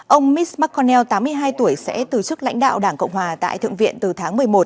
ông mits mcconnell tám mươi hai tuổi sẽ từ chức lãnh đạo đảng cộng hòa tại thượng viện từ tháng một mươi một